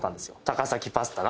高崎パスタ